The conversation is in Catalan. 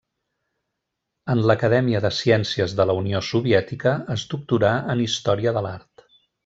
En l'Acadèmia de Ciències de la Unió Soviètica es doctorà en Història de l'Art.